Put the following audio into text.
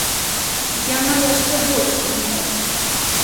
Яна яшчэ больш сумелася.